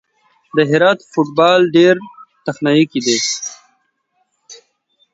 د هرات فوټبال ډېر تخنیکي دی.